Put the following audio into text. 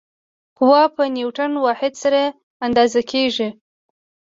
قوه په نیوټن واحد سره اندازه کېږي.